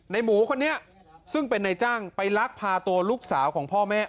หมูคนนี้ซึ่งเป็นนายจ้างไปลักพาตัวลูกสาวของพ่อแม่